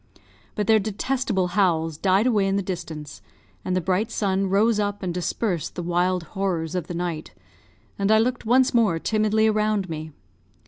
But their detestable howls died away in the distance, and the bright sun rose up and dispersed the wild horrors of the night, and I looked once more timidly around me.